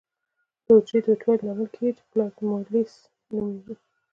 د حجرې د وچوالي لامل کیږي چې پلازمولیزس نومېږي.